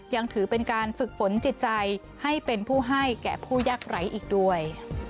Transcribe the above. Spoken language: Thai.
ยังถือเป็นการฝึกฝนจิตใจให้เป็นผู้ให้แก่ผู้ยากไร้อีกด้วย